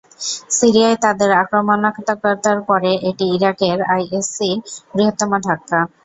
সিরিয়ায় তাদের আক্রমণাত্মকতার পরে, এটি ইরাকের আইএসসি-র বৃহত্তম ধাক্কা।